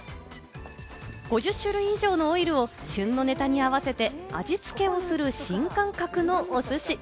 ５０種類以上のオイルを旬ネタに合わせて味付けをする新感覚のお寿司。